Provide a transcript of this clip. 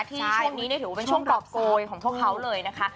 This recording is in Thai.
ที่ช่วงนี้ที่ถือว่าเป็นช่วงเกาะโกยของเพชาเลยนะคะ